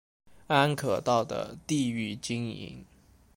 安可道的地域经营。